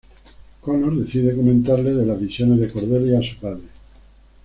Connor decide comentarle de las visiones de Cordelia a su padre.